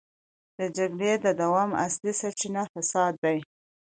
د جګړې د دوام اصلي سرچينه فساد دی.